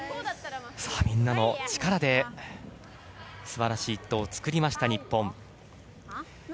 みんなの力ですばらしい一投を作りました、日本。